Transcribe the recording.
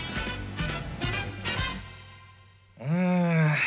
うん。